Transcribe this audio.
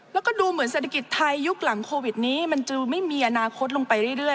แล้วก็ดูเหมือนเศรษฐกิจไทยยุคหลังโควิดนี้มันจะไม่มีอนาคตลงไปเรื่อย